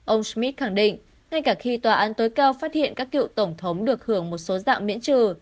ông smith khẳng định ngay cả khi tòa án tối cao phát hiện các cựu tổng thống được hưởng một số dạng miễn trừ